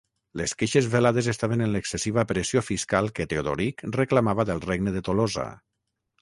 Les queixes velades estaven en l'excessiva pressió fiscal que Teodoric reclamava del Regne de Tolosa.